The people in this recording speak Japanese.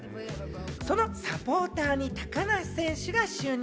そのサポーターに高梨選手が就任。